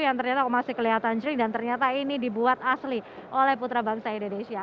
yang ternyata masih kelihatan jering dan ternyata ini dibuat asli oleh putra bangsa indonesia